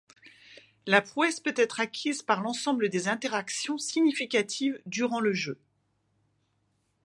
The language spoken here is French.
La prouesse peut être acquise par l'ensemble des interactions significatives durant le jeu.